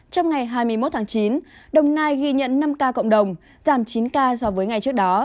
trong ngày hai mươi một tháng chín đồng nai ghi nhận năm ca cộng đồng giảm chín ca so với ngày trước đó